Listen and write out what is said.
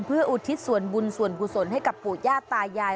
เพื่ออุทิศสวรรค์บุญสวรรค์บุษลให้กับหญ้ายหรือหญ้าต่ายาย